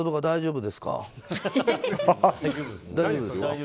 大丈夫ですよ。